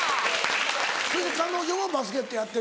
・それで彼女もバスケットやってて？